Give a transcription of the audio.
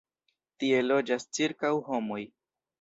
Tie loĝas ĉirkaŭ homoj.